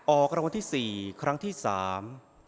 ออกรางวัลที่สี่ครั้งที่สาม